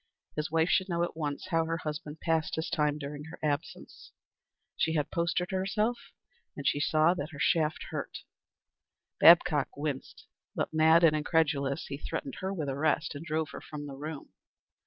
His wife should know at once how her husband passed his time during her absence. She had posted herself, and she saw that her shaft hurt. Babcock winced, but mad and incredulous, he threatened her with arrest and drove her from the room.